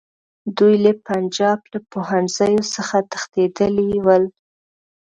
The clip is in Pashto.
دوی له پنجاب له پوهنځیو څخه تښتېدلي ول.